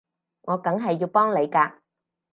我梗係要幫你㗎